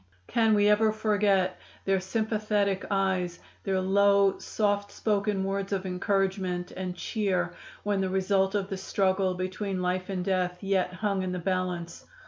Can we ever forget their sympathetic eyes, their low, soft spoken words of encouragement and cheer when the result of the struggle between life and death yet hung in the balance?